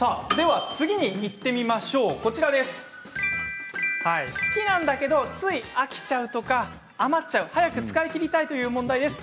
次にいってみましょう好きなんだけどつい飽きちゃうとか余ってしまう、早く使い切りたいという問題です。